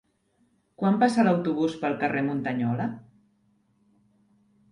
Quan passa l'autobús pel carrer Muntanyola?